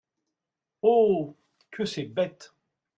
Oh ! que c’est bête !